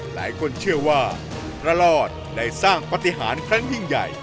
หลายคนเชื่อว่าพระรอดได้สร้างปฏิหารครั้งยิ่งใหญ่